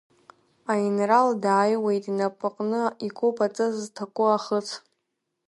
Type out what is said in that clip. Аинрал дааиуеит, инапаҟны икуп аҵыс зҭаку ахыц.